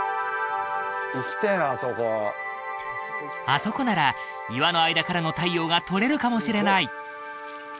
あそこなら岩の間からの太陽が撮れるかもしれない・